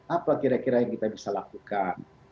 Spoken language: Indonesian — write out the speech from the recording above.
apa kira kira yang kita bisa lakukan